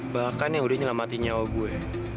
bahkan yang udah nyelamatin nyawa gue